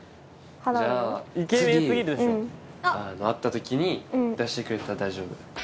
じゃあ次会った時に出してくれたら大丈夫。